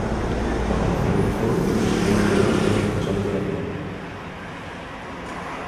Bajo el gobierno zhou, el sistema feudal no era responsable de la economía.